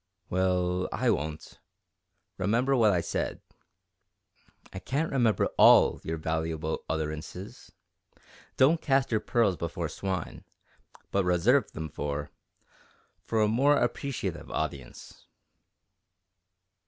"Well, I won't. Remember what I said." "I can't remember all your valuable utterances. Don't cast your pearls before swine, but reserve them for for a more appreciative audience."